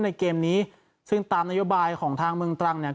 ในเกมนี้ซึ่งตามนโยบายของทางเมืองตรังเนี่ย